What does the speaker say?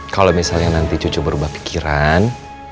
kalau misalnya nanti cucu berubah pikiran